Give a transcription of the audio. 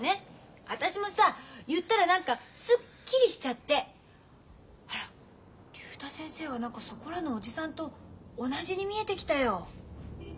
私もさ言ったら何かすっきりしちゃってあら竜太先生が何かそこらのおじさんと同じに見えてきたよ。